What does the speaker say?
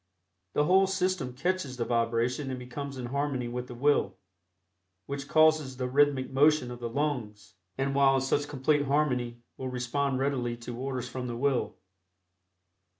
The whole system catches the vibration and becomes in harmony with the will, which causes the rhythmic motion of the lungs, and while in such complete harmony will respond readily to orders from the will.